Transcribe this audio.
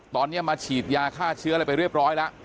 ตอนนี้มาฉีดยาฆ่าเชื้ออะไรไปเรียบร้อยแล้ว